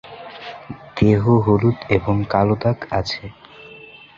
দেহ হলুদ এবং কালো দাগ আছে।